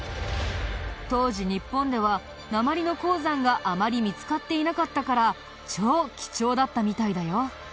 当時日本では鉛の鉱山があまり見つかっていなかったから超貴重だったみたいだよ。